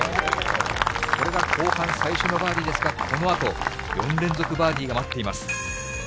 これが後半最初のバーディーですが、このあと、４連続バーディーが待っています。